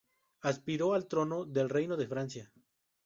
Aspiró al trono del Reino de Francia.